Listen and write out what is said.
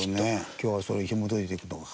今日はそれをひも解いていくのか。